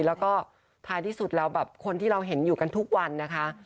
แล้วก็ท้ายที่สุดแล้วแบบคนที่เราเห็นอยู่กันทุกวันนะคะ